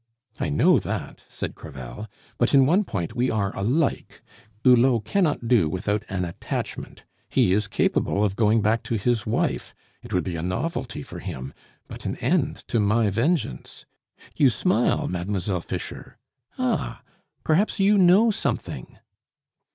"I know that," said Crevel, "but in one point we are alike: Hulot cannot do without an attachment. He is capable of going back to his wife. It would be a novelty for him, but an end to my vengeance. You smile, Mademoiselle Fischer ah! perhaps you know something?"